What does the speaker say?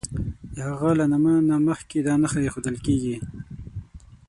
د هغه له نامه نه مخکې دا نښه ایښودل کیږي.